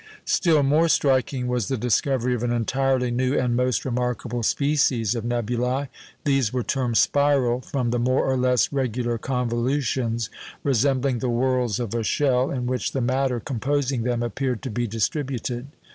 Still more striking was the discovery of an entirely new and most remarkable species of nebulæ. These were termed "spiral," from the more or less regular convolutions, resembling the whorls of a shell, in which the matter composing them appeared to be distributed.